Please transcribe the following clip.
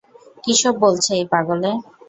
কীসব বলছে এই পাগলে?